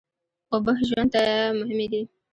اوبه ژوند ته مهمې دي.